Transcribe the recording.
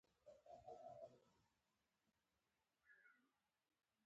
د اخلاقو ښه والي د مسلمان نښه ده.